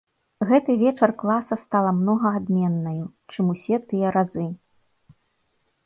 Гэты вечар класа стала многа адменнаю, чым усе тыя разы.